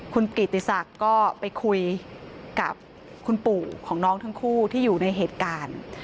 คุณกิติศักดิ์ก็ไปคุยกับคุณปู่ของน้องทั้งคู่ที่อยู่ในเหตุการณ์